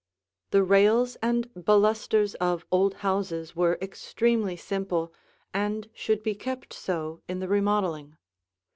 The rails and balusters of old houses were extremely simple and should be kept so in the remodeling.